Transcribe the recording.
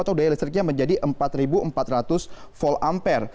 atau daya listriknya menjadi empat empat ratus v ampere